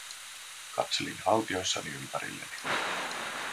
Katselin haltioissani ympärilleni.